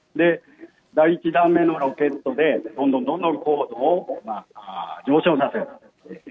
第１段目のロケットで、どんどんどんどん高度を上昇させる。